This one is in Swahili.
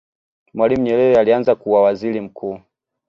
mwalimu nyerere alianza kuwa waziri mkuu